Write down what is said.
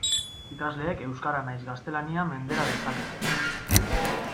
Ikasleek euskara nahiz gaztelania mendera dezakete.